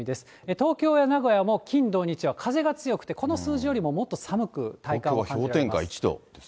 東京や名古屋も金、土、日は風が強くて、この数字よりももっと寒く体感は感じられます。